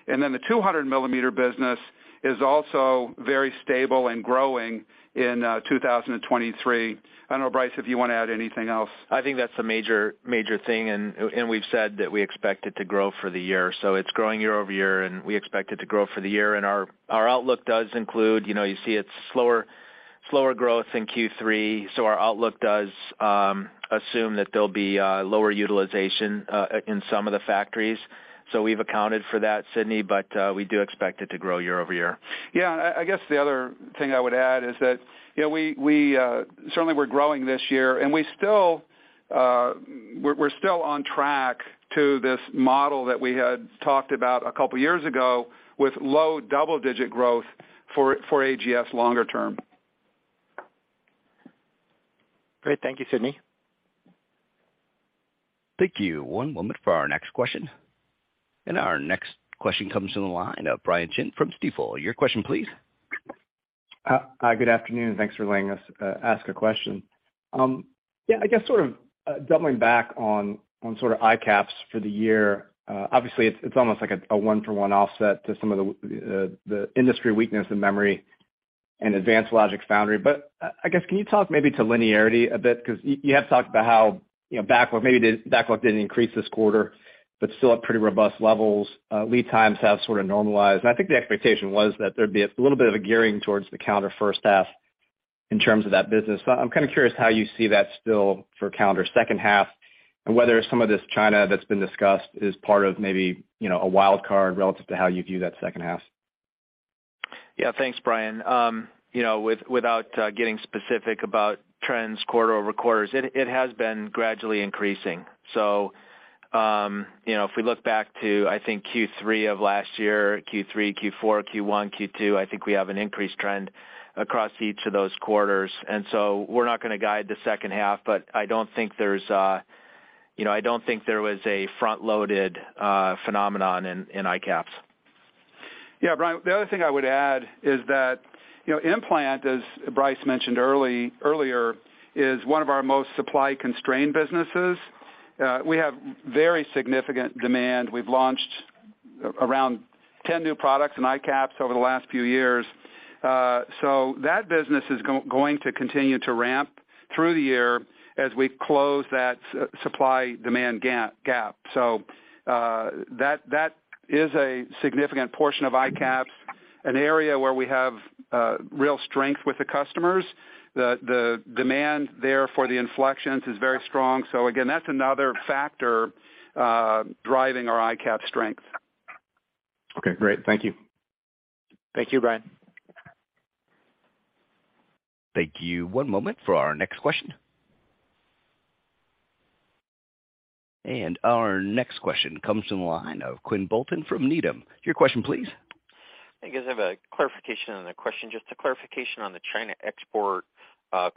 and then the 200 millimeter business is also very stable and growing in 2023. I don't know, Brice, if you want to add anything else. I think that's a major thing and we've said that we expect it to grow for the year, so it's growing year-over-year, and we expect it to grow for the year. Our outlook does include, you know, you see it's slower growth in Q3. Our outlook does assume that there'll be lower utilization in some of the factories. We've accounted for that, Sidney, but we do expect it to grow year-over-year. Yeah. I guess the other thing I would add is that, you know, we certainly we're growing this year, and we're still on track to this model that we had talked about a couple years ago with low double-digit growth for AGS longer term. Great. Thank you, Sidney. Thank you. One moment for our next question. Our next question comes from the line of Brian Chin from Stifel. Your question please. Hi, good afternoon. Thanks for letting us ask a question. Yeah, I guess sort of doubling back on sort of ICAPS for the year. Obviously it's almost like a one for one offset to some of the industry weakness in memory and advanced logic foundry. I guess, can you talk maybe to linearity a bit, 'cause you have talked about how, you know, backlog maybe didn't increase this quarter, but still at pretty robust levels. Lead times have sort of normalized. I think the expectation was that there'd be a little bit of a gearing towards the calendar first half in terms of that business. I'm kind of curious how you see that still for calendar second half and whether some of this China that's been discussed is part of maybe, you know, a wild card relative to how you view that second half. Yeah. Thanks, Brian. You know, without getting specific about trends quarter-over-quarter, it has been gradually increasing. You know, if we look back to, I think Q3 of last year, Q3, Q4, Q1, Q2, I think we have an increased trend across each of those quarters. But I don't think there's, you know, I don't think there was a front-loaded phenomenon in ICAPS. Brian, the other thing I would add is that, you know, implant, as Brice mentioned earlier, is one of our most supply-constrained businesses. We have very significant demand. We've launched around 10 new products in ICAPS over the last few years. That business is going to continue to ramp through the year as we close that supply demand gap. That, that is a significant portion of ICAPS, an area where we have real strength with the customers. The demand there for the inflections is very strong. Again, that's another factor driving our ICAPS strength. Okay, great. Thank you. Thank you, Brian. Thank you. One moment for our next question. Our next question comes from the line of Quinn Bolton from Needham. Your question please. I guess I have a clarification and a question. Just a clarification on the China export,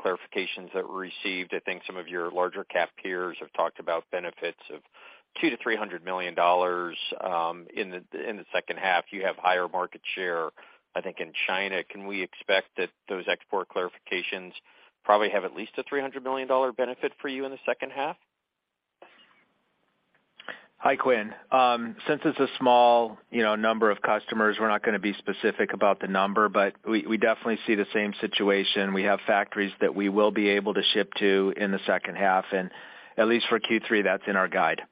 clarifications that were received. I think some of your larger cap peers have talked about benefits of $200 million-$300 million in the second half. You have higher market share, I think, in China. Can we expect that those export clarifications probably have at least a $300 million benefit for you in the second half? Hi, Quinn. Since it's a small, you know, number of customers, we're not gonna be specific about the number, but we definitely see the same situation. We have factories that we will be able to ship to in the second half. At least for Q3, that's in our guide.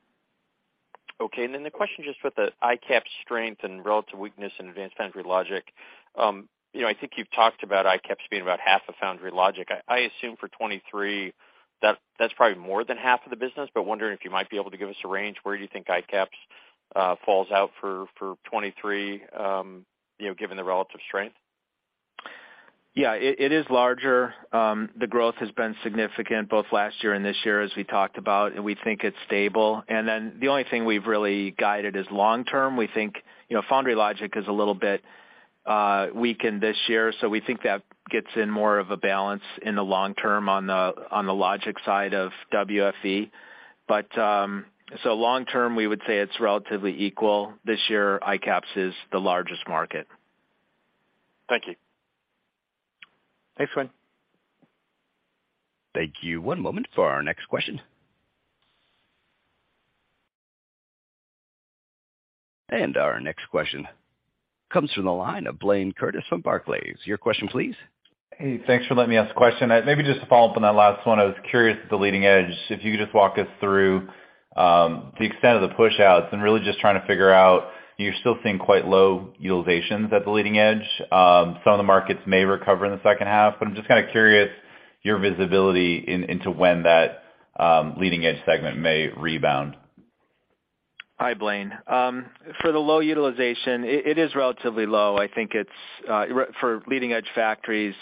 Okay. The question just with the ICAPS strength and relative weakness in advanced Foundry Logic. you know, I think you've talked about ICAPS being about half of Foundry Logic. I assume for 2023 that's probably more than half of the business, wondering if you might be able to give us a range where you think ICAPS falls out for 2023, you know, given the relative strength. Yeah, it is larger. The growth has been significant both last year and this year, as we talked about. We think it's stable. The only thing we've really guided is long term. We think, you know, Foundry Logic is a little bit weakened this year, so we think that gets in more of a balance in the long term on the logic side of WFE. Long term, we would say it's relatively equal. This year, ICAPS is the largest market. Thank you. Thanks, Quinn. Thank you. One moment for our next question. Our next question comes from the line of Blayne Curtis from Barclays. Your question please. Hey, thanks for letting me ask a question. Maybe just to follow up on that last one, I was curious at the leading edge, if you could just walk us through the extent of the pushouts and really just trying to figure out, you're still seeing quite low utilizations at the leading edge. Some of the markets may recover in the second half, but I'm just kind of curious your visibility into when that leading edge segment may rebound. Hi, Blayne. For the low utilization, it is relatively low. I think it's for leading edge factories,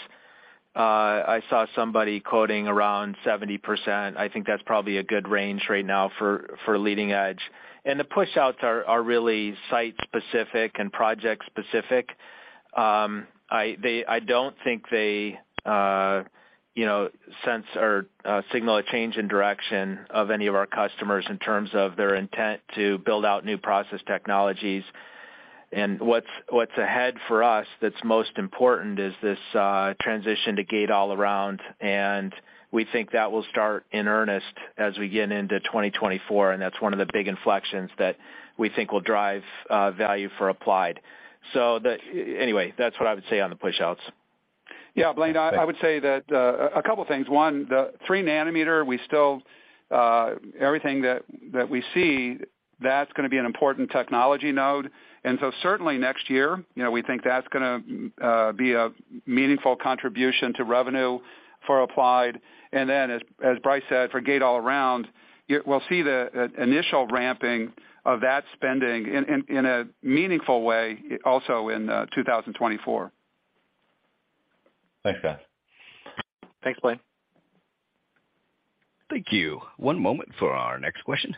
I saw somebody quoting around 70%. I think that's probably a good range right now for leading edge. The pushouts are really site specific and project specific. I don't think they, you know, sense or signal a change in direction of any of our customers in terms of their intent to build out new process technologies. What's ahead for us that's most important is this transition to Gate-All-Around, and we think that will start in earnest as we get into 2024, and that's one of the big inflections that we think will drive value for Applied. That's what I would say on the pushouts. Yeah, Blayne, I would say that a couple things. One, the three nanometer, we still. Everything that we see, that's gonna be an important technology node. Certainly next year, you know, we think that's gonna be a meaningful contribution to revenue for Applied. As Brice said, for Gate-All-Around, you will see the initial ramping of that spending in a meaningful way also in 2024. Thanks, guys. Thanks, Blayne. Thank you. One moment for our next question.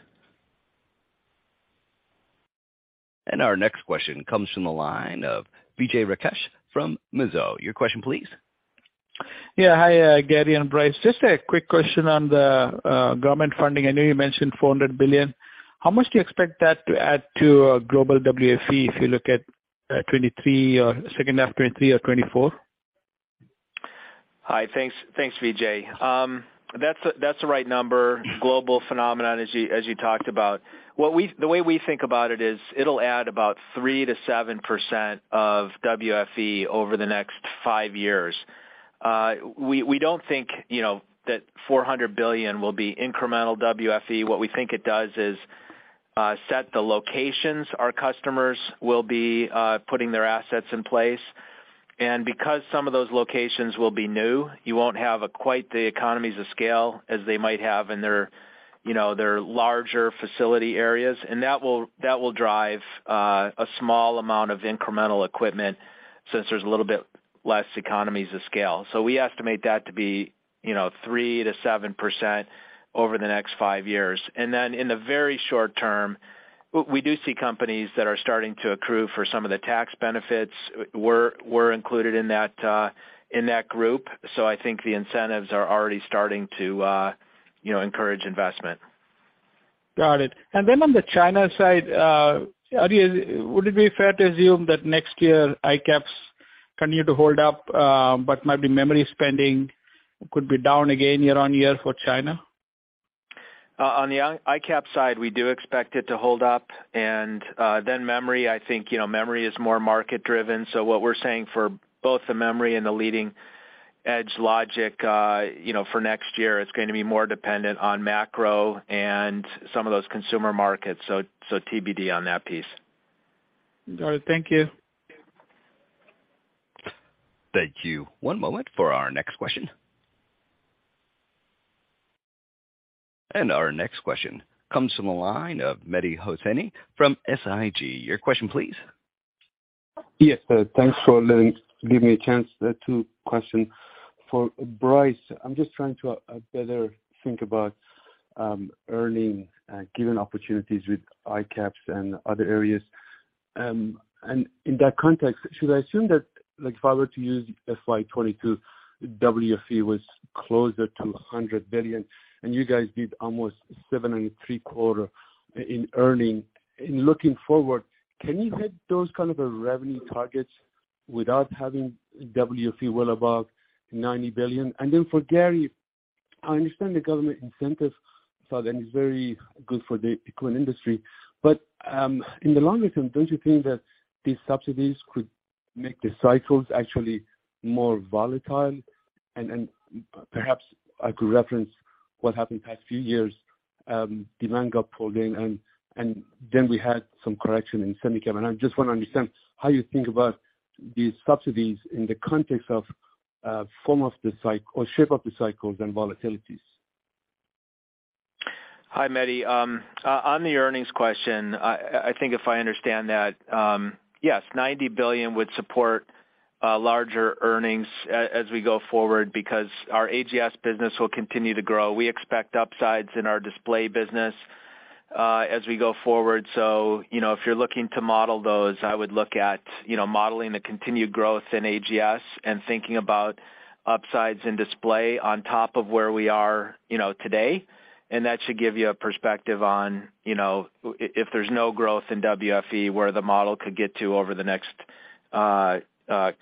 Our next question comes from the line of Vijay Rakesh from Mizuho. Your question please. Hi, Gary and Brice. Just a quick question on the government funding. I know you mentioned $400 billion. How much do you expect that to add to global WFE if you look at 2023 or second half 2023 or 2024? Hi, thanks, Vijay. That's the right number. Global phenomenon as you talked about. The way we think about it is it'll add about 3% to 7% of WFE over the next five years. We don't think, you know, that $400 billion will be incremental WFE. What we think it does is set the locations our customers will be putting their assets in place. Because some of those locations will be new, you won't have a quite the economies of scale as they might have in their, you know, their larger facility areas. That will drive a small amount of incremental equipment since there's a little bit less economies of scale. We estimate that to be, you know, 3% to 7% over the next five years. In the very short term, we do see companies that are starting to accrue for some of the tax benefits were included in that in that group. I think the incentives are already starting to, you know, encourage investment. Got it. Then on the China side, would it be fair to assume that next year, ICAPS continue to hold up, but maybe memory spending could be down again year-over-year for China? On the ICAPS side, we do expect it to hold up. Then memory, I think, you know, memory is more market driven. What we're saying for both the memory and the leading edge logic, you know, for next year, it's going to be more dependent on macro and some of those consumer markets. So TBD on that piece. All right. Thank you. Thank you. One moment for our next question. Our next question comes from the line of Mehdi Hosseini from SIG. Your question please. Yes, thanks for giving me a chance to question. For Brice, I'm just trying to better think about earning given opportunities with ICAPS and other areas. In that context, should I assume that, like, if I were to use FY 2022 WFE was closer to $100 billion and you guys did almost seven and three quarter in earning. In looking forward, can you hit those kind of revenue targets without having WFE well above $90 billion? For Gary, I understand the government incentives side is very good for the clean industry, but in the longer term, don't you think that these subsidies could make the cycles actually more volatile? Perhaps I could reference what happened the past few years, demand got pulled in and then we had some correction in semiconductor. I just wanna understand how you think about these subsidies in the context of, form of the cycle or shape of the cycles and volatilities. Hi, Mehdi. On the earnings question, I think if I understand that, yes, $90 billion would support larger earnings as we go forward because our AGS business will continue to grow. We expect upsides in our display business as we go forward. You know, if you're looking to model those, I would look at, you know, modeling the continued growth in AGS and thinking about upsides in display on top of where we are, you know, today. Gary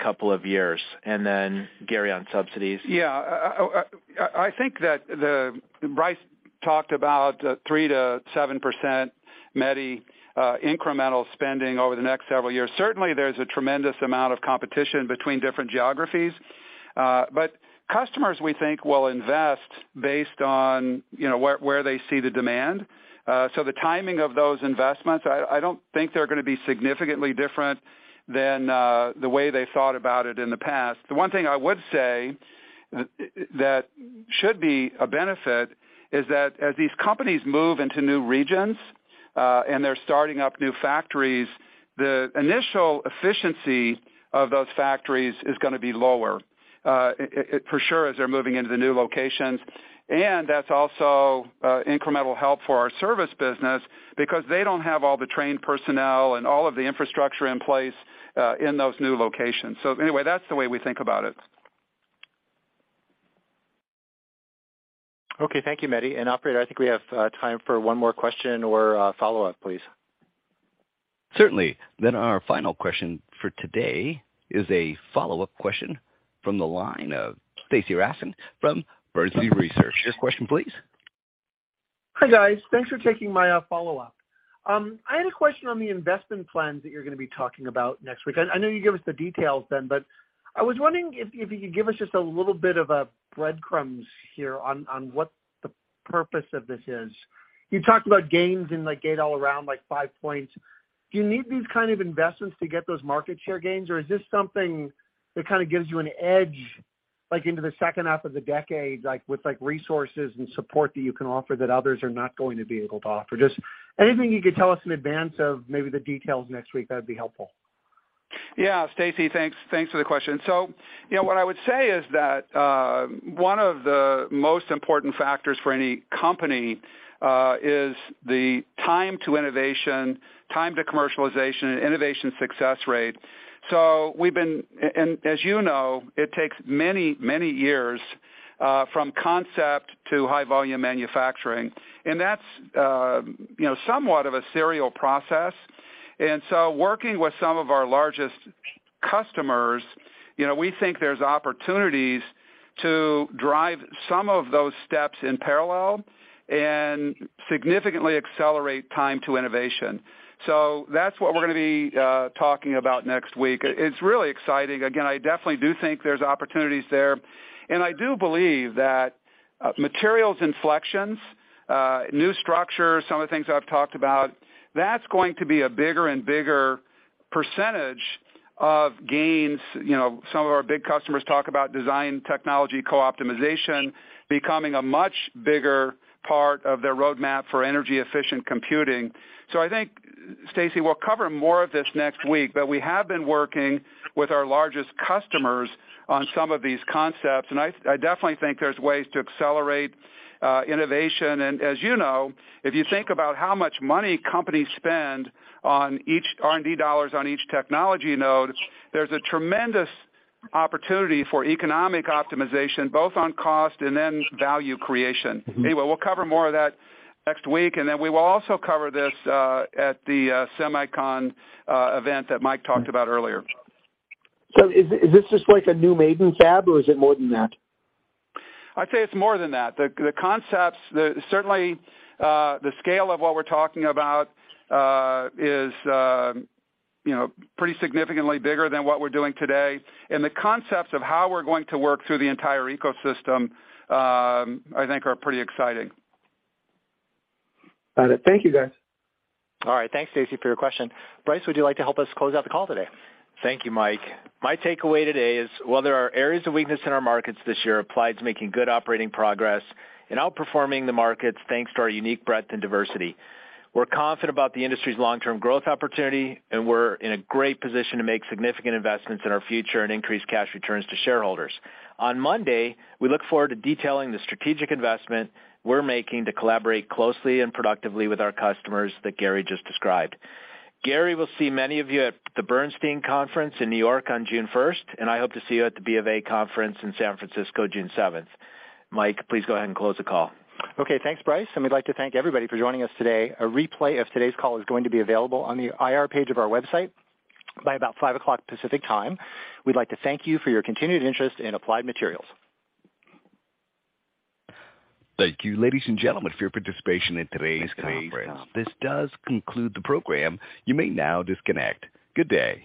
on subsidies. I think that the Brice talked about 3%-7%, Mehdi, incremental spending over the next several years. Certainly, there's a tremendous amount of competition between different geographies, but customers we think will invest based on, you know, where they see the demand. So the timing of those investments, I don't think they're gonna be significantly different than the way they thought about it in the past. The one thing I would say that should be a benefit is that as these companies move into new regions, and they're starting up new factories, the initial efficiency of those factories is gonna be lower, for sure, as they're moving into the new locations. That's also incremental help for our service business because they don't have all the trained personnel and all of the infrastructure in place in those new locations. Anyway, that's the way we think about it. Okay. Thank you, Mehdi. Operator, I think we have time for one more question or a follow-up, please. Certainly. Our final question for today is a follow-up question from the line of Stacy Rasgon from Bernstein Research. Next question, please. Hi, guys. Thanks for taking my follow-up. I had a question on the investment plans that you're gonna be talking about next week. I know you gave us the details then, but I was wondering if you could give us just a little bit of breadcrumbs here on what the purpose of this is. You talked about gains in, like, Gate-All-Around, like five points. Do you need these kind of investments to get those market share gains? Or is this something that kind of gives you an edge, like into the second half of the decade, like, with, like, resources and support that you can offer that others are not going to be able to offer? Just anything you could tell us in advance of maybe the details next week, that'd be helpful. Yeah. Stacy, thanks. Thanks for the question. You know, what I would say is that one of the most important factors for any company is the time to innovation, time to commercialization and innovation success rate. As you know, it takes many, many years from concept to high volume manufacturing, and that's, you know, somewhat of a serial process. Working with some of our largest customers, you know, we think there's opportunities to drive some of those steps in parallel and significantly accelerate time to innovation. That's what we're gonna be talking about next week. It's really exciting. Again, I definitely do think there's opportunities there. I do believe that materials inflections, new structure, some of the things I've talked about, that's going to be a bigger and bigger percentage of gains. You know, some of our big customers talk about design technology co-optimization becoming a much bigger part of their roadmap for energy efficient computing. I think, Stacy, we'll cover more of this next week, but we have been working with our largest customers on some of these concepts, and I definitely think there's ways to accelerate innovation. As you know, if you think about how much money companies spend on each R&D dollars on each technology node, there's a tremendous opportunity for economic optimization, both on cost and then value creation. Mm-hmm. We'll cover more of that next week, and then we will also cover this at the SEMICON event that Mike talked about earlier. Is this just like a new greenfield fab or is it more than that? I'd say it's more than that. The concepts, certainly, the scale of what we're talking about, is, you know, pretty significantly bigger than what we're doing today. The concepts of how we're going to work through the entire ecosystem, I think are pretty exciting. Got it. Thank you guys. All right. Thanks, Stacy, for your question. Brice, would you like to help us close out the call today? Thank you, Mike. My takeaway today is, while there are areas of weakness in our markets this year, Applied's making good operating progress and outperforming the markets thanks to our unique breadth and diversity. We're confident about the industry's long-term growth opportunity. We're in a great position to make significant investments in our future and increase cash returns to shareholders. On Monday, we look forward to detailing the strategic investment we're making to collaborate closely and productively with our customers that Gary just described. Gary will see many of you at the Bernstein Conference in New York on June first. I hope to see you at the BofA conference in San Francisco, June seventh. Mike, please go ahead and close the call. Okay, thanks, Brice. We'd like to thank everybody for joining us today. A replay of today's call is going to be available on the IR page of our website by about 5:00 P.M. Pacific Time. We'd like to thank you for your continued interest in Applied Materials. Thank you, ladies and gentlemen, for your participation in today's conference. This does conclude the program. You may now disconnect. Good day.